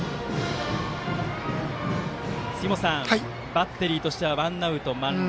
バッテリーとしてはワンアウト、満塁。